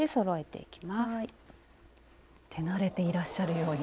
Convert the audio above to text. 手慣れていらっしゃるように。